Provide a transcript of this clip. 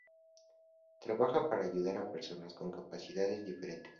Trabaja para ayudar a personas con capacidades diferentes.